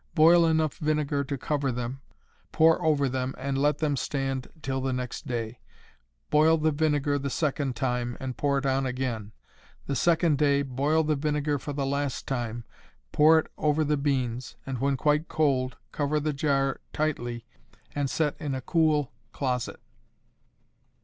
Boil enough vinegar to cover them, pour over them and let them stand till the next day, boil the vinegar the second time, and pour it on again. The next day boil the vinegar for the last time, pour it over the beans, and when quite cold, cover the jar tightly and set in a cool closet.